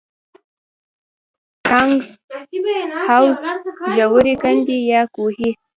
ټانک، حوض، ژورې کندې یا کوهي.